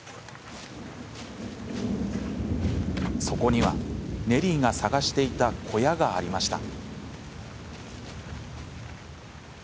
そこにはネリーが探していた小屋がありました。